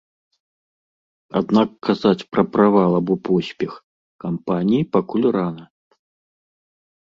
Аднак казаць пра правал або поспех кампаніі пакуль рана.